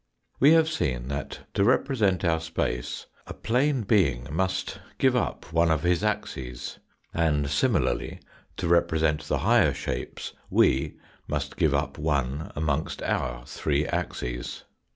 We have seen that to represent our space a plane being must give up one of his axes, and similarly to represent the higher shapes we must give up one amongst our three axes.